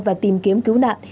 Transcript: và tìm kiếm cứu nạn